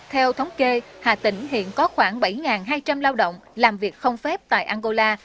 theo thống kê hà tĩnh hiện có khoảng bảy hai trăm linh lao động làm việc không phép tại angola